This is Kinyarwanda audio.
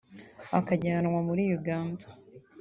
akajyanwa muri Uganda